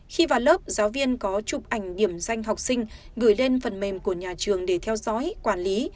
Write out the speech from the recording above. khi vào lớp giáo viên có chụp ảnh điểm danh học sinh gửi lên phần mềm của nhà trường để theo dõi quản lý